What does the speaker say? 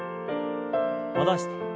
戻して。